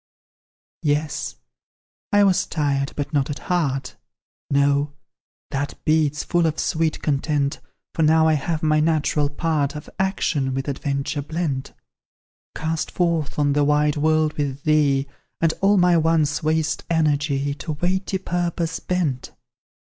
Yes; I was tired, but not at heart; No that beats full of sweet content, For now I have my natural part Of action with adventure blent; Cast forth on the wide world with thee, And all my once waste energy To weighty purpose bent.